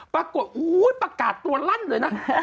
ปรากฏประกาศตัวลั่นเลยนะ